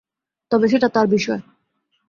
তবে সেটা তার বিষয়।